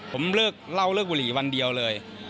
ผมเลิกเล่าเลิกบุหรี่วันเดียวเลย